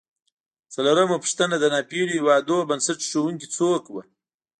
څلورمه پوښتنه: د ناپېیلو هېوادونو بنسټ ایښودونکي څوک و؟